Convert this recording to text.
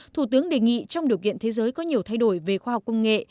thủ tướng đề nghị trong điều kiện thế giới có nhiều thay đổi về khoa học công nghệ